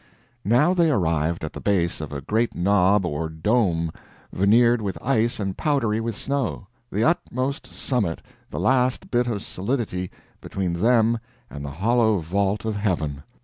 Now they arrived at the base of a great knob or dome veneered with ice and powdered with snow the utmost, summit, the last bit of solidity between them and the hollow vault of heaven.